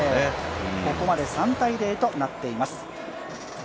ここまで３−０となっています。